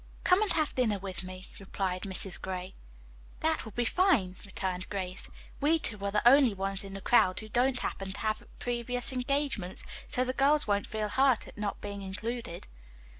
"Come and have dinner with me," replied Mrs. Gray. "That will be fine," returned Grace. "We two are the only ones in the crowd who don't happen to have previous engagements, so the girls won't feel hurt at not being included."